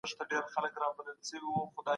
ايا واک د سياست يوازينۍ موخه ده؟